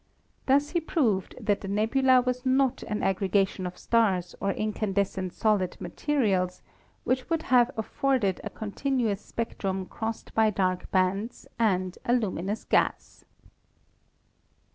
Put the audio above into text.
Thus he proved that the nebula was not an aggregation of stars or incandescent solid ma terials, which would have afforded a continuous spectrum crossed by dark bands and a luminous gas.